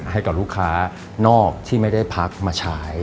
ให้กับลูกค้านอกที่ไม่ได้พักมาใช้